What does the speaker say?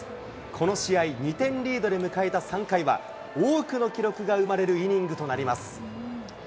この試合、２点リードで迎えた３回は、多くの記録が生まれるイニングとなります。